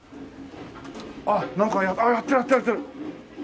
あっなんかやってるやってるやってる！